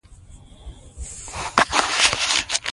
سره وېل کېږي.